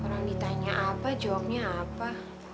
orang ditanya apa joangnya apa